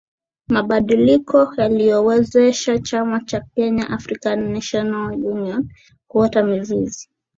Mabaduliko yaliyowezesha chama cha Kenya African National Union kuota mizizi